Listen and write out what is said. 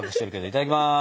いただきます。